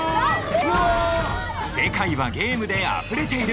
世界はゲームであふれている！